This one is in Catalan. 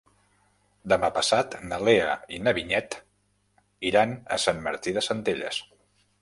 Demà passat na Lea i na Vinyet iran a Sant Martí de Centelles.